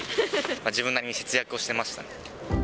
自分なりに節約をしていましたね。